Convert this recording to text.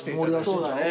そうだね。